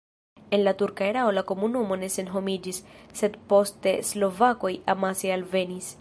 En la turka erao la komunumo ne senhomiĝis, sed poste slovakoj amase alvenis.